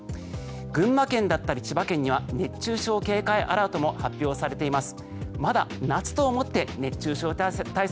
群馬県だったり千葉県には熱中症警戒アラートも発表されています。